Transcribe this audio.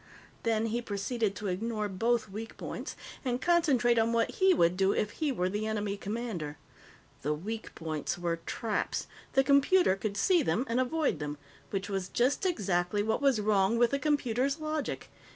Then he proceeded to ignore both weak points and concentrate on what he would do if he were the enemy commander. The weak points were traps; the computer could see them and avoid them. Which was just exactly what was wrong with the computer's logic.